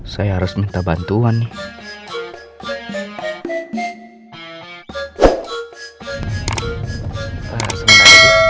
saya harus minta bantuan